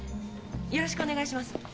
よろしくお願いします。